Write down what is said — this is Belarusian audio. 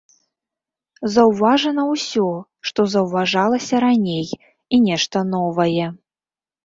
Заўважана ўсё, што заўважалася раней, і нешта новае.